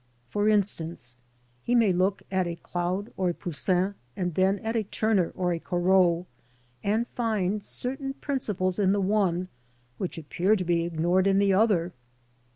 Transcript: For instance, he may look at a Claude or a Poussin, and then at a Turner or a Corot, and find certain principles in the one which appear to be ignored in the other.